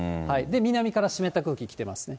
南から湿った空気来てますね。